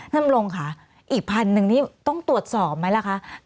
นำลงค่ะอีกพันหนึ่งนี่ต้องตรวจสอบไหมล่ะคะ